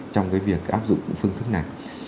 trong cái việc áp dụng phương thức này